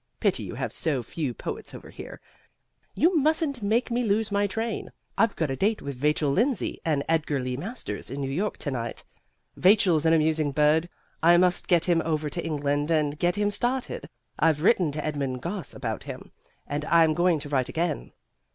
Pity you have so few poets over here. You mustn't make me lose my train; I've got a date with Vachel Lindsay and Edgar Lee Masters in New York to night. Vachel's an amusing bird. I must get him over to England and get him started. I've written to Edmund Gosse about him, and I'm going to write again.